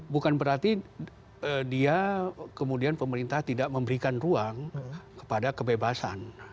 bukan berarti dia kemudian pemerintah tidak memberikan ruang kepada kebebasan